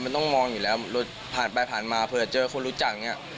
มันต้องมองอยู่แล้วรถผ่านไปผ่านมาเผื่อเจอคนรู้จักเนี่ย